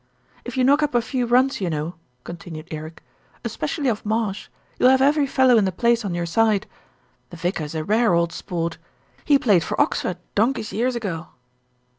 "If you knock up a few runs, you know," continued Eric, "especially off Marsh, you'll have every fellow in the place on your side. The vicar's a rare old sport. He played for Oxford donkeys years ago."